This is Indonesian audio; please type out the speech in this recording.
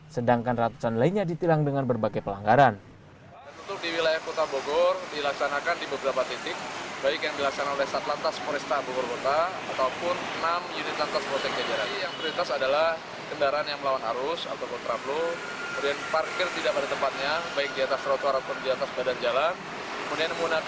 sedangkan ratusan lainnya ditilang dengan berbagai pelanggaran